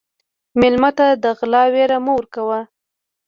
مېلمه ته د غلا وېره مه ورکوه.